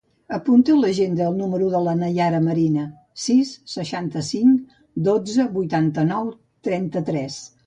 Apunta a l'agenda el número de la Naiara Marina: sis, seixanta-cinc, dotze, vuitanta-nou, trenta-tres.